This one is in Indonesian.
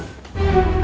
ya belum tentu juga